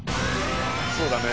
そうだね。